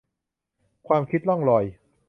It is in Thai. ความคิดล่องลอย